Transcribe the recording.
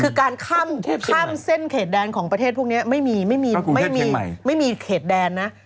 คือการข้ามเส้นเขตแดนของประเทศพวกนี้ไม่มีไม่มีเขตแดนนะ